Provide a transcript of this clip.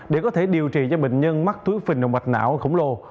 để có thể điều trị cho bệnh nhân mắc thuế phình động mạch não khổng lồ